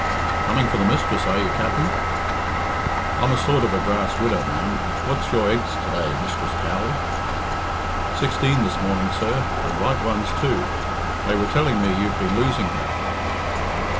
"Coming for the mistress, are you, Capt'n?" "I'm a sort of a grass widow, ma'am. What's your eggs to day, Mistress Cowley?" "Sixteen this morning, sir, and right ones too. They were telling me you've been losing her."